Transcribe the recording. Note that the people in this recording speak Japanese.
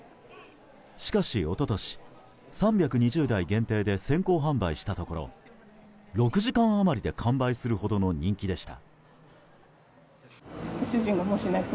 しかし一昨年、３２０台限定で先行販売したところ６時間余りで完売するほどの人気でした。